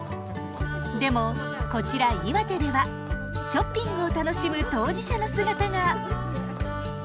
でもこちら岩手ではショッピングを楽しむ当事者の姿が。